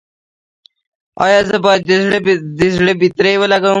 ایا زه باید د زړه بطرۍ ولګوم؟